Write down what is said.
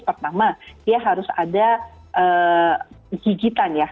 pertama dia harus ada gigitan ya